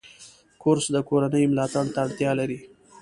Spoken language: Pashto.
کورس د کورنۍ ملاتړ ته اړتیا لري.